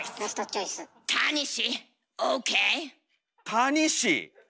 タニシ⁉